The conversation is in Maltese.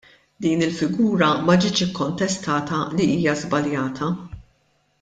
Din il-figura ma ġietx ikkontestata li hija żbaljata.